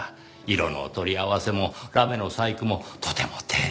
色の取り合わせもラメの細工もとても丁寧で繊細な。